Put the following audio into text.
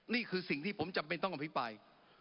นี่คือสิ่งที่ผมจำเป็นต้องอภิปราย